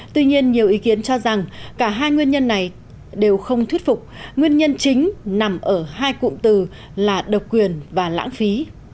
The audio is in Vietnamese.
tuy nhiên nhiều ý kiến cho rằng cả hai nguyên nhân này đều không thuyết phục nguyên nhân chính nằm ở hai cụm từ là độc quyền và lãng phí